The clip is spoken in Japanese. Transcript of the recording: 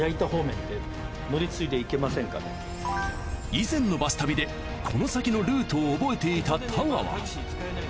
以前のバス旅でこの先のルートを覚えていた太川。